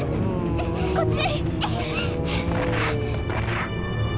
こっち！